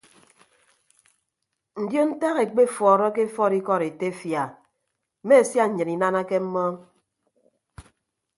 Ndion ntak ekpefuọrọke efuọd ikọd etefia a mme sia nnyịn inanake mmọọñ.